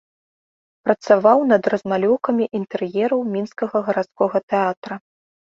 Працаваў над размалёўкамі інтэр'ераў мінскага гарадскога тэатра.